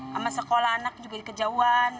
sama sekolah anak juga di kejauhan